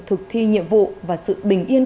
thực thi nhiệm vụ và sự bình yên